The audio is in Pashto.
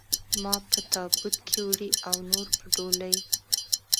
ما په تابوت کې وړي او نور په ډولۍ.